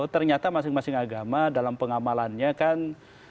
ternyata masing masing agama dalam pengamalannya kan